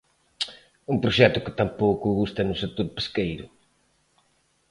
Un proxecto que tampouco gusta no sector pesqueiro.